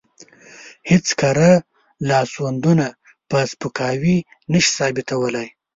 هېڅ کره لاسوندونه په سپکاوي نشي ثابتولی.